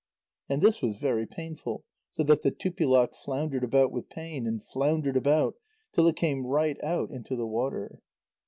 And this was very painful, so that the Tupilak floundered about with pain, and floundered about till it came right out into the water.